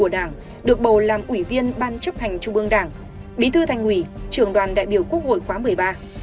được bầu làm ủy viên ban chấp hành chung mương đảng bí thư thành ủy trưởng đoàn đại biểu quốc hội khóa một mươi ba